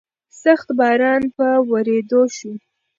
سخت باران په ورېدو شو.